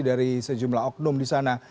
dari sejumlah oknum di sana